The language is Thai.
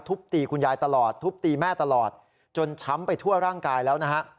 ตีคุณยายตลอดทุบตีแม่ตลอดจนช้ำไปทั่วร่างกายแล้วนะฮะ